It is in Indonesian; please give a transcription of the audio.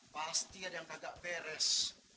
pasti ada yang agak beres